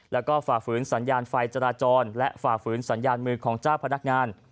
แล้วก็ฝ่าฝืนสัญญาณไฟจราจรและฝ่าฝืนสัญญาณมือของเจ้าพนักงาน